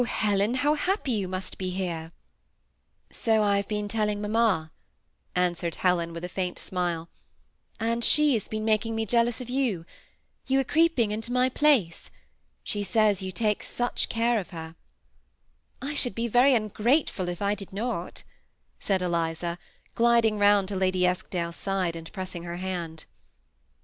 Helen, how happy you must be here I "" So I have been telling mamma," answered Helen, with a faint smile ;'^ and she has been making me jeal ous of you. You are creeping into my place. She says you take such care of her." THE SEMI ATTACHED COUPLE. 103 " I should be very ungrateful if I did not," said Eliza, gliding round to Lady Eskdale's side, and pressing her hand.